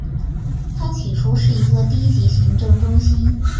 它起初是一个低级行政中心。